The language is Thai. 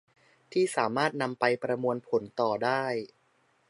ที่สามารถนำไปประมวลผลต่อได้